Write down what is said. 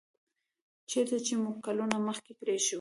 چیرته چې مو کلونه مخکې پریښی و